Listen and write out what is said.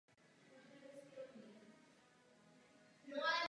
Napájí řadu menších či větších rybníků.